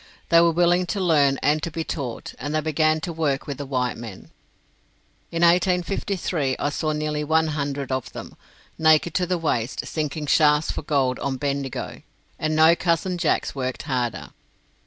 They were willing to learn and to be taught, and they began to work with the white men. In 1853 I saw nearly one hundred of them, naked to the waist, sinking shafts for gold on Bendigo, and no Cousin Jacks worked harder.